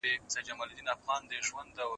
ولي هڅاند سړی د لوستي کس په پرتله لاره اسانه کوي؟